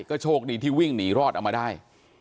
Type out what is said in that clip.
ก็โชคดีที่วิ่งหนีรอดเอามาได้